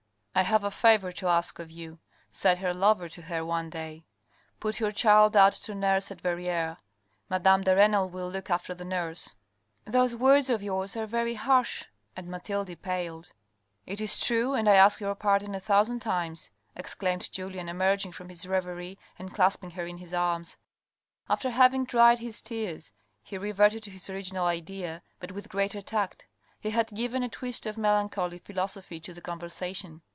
" I have a favour to ask of you," said her lover to her one day. " Put your child out to nurse at Verrieres. Madame de Renal will look after the nurse." "Those words of yours are very harsh." And Mathilde paled. " It is true, and I ask your pardon a thousand times," exclaimed Julien, emerging from his reverie, and clasping her in his arms. After having dried his tears, he reverted to his original idea, but with greater tact. He had given a twist of melancholy philosophy to the conversation.